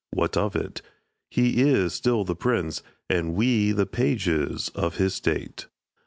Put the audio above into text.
What of it? He is still the prince, And we the pages of his state.